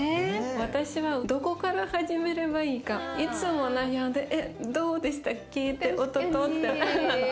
私はどこから始めればいいかいつも悩んでえっどうでしたっけっておっとっとって。